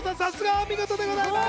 お見事でございます。